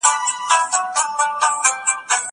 زه به سبا ليکنې وکړم!!